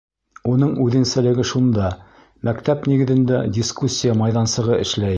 Уның үҙенсәлеге шунда: мәктәп нигеҙендә дискуссия майҙансығы эшләй.